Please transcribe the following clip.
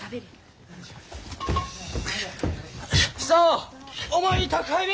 久男お前に宅配便。